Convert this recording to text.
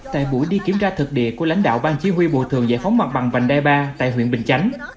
tại buổi đi kiểm tra thực địa của lãnh đạo bang chỉ huy bùa thường giải phóng mặt bằng vành đài ba tại huyện bình chánh